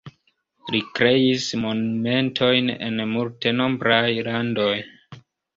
Li kreis monumentojn en multenombraj landoj.